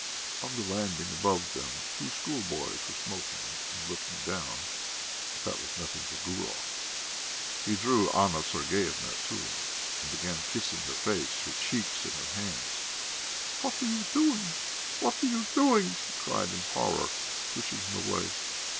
On the landing above them two schoolboys were smoking and looking down, but that was nothing to Gurov; he drew Anna Sergeyevna to him, and began kissing her face, her cheeks, and her hands. "What are you doing, what are you doing!" she cried in horror, pushing him away.